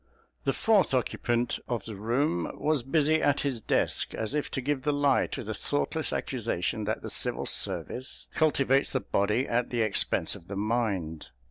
The fourth occupant of the room was busy at his desk, as if to give the lie to the thoughtless accusation that the Civil Service cultivates the body at the expense of the mind.